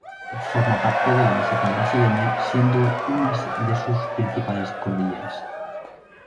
Forma parte de la Meseta Brasileña siendo unas de sus principales cordilleras.